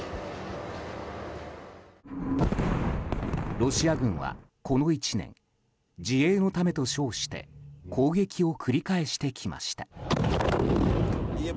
ロシア軍は、この１年自衛のためと称して攻撃を繰り返してきました。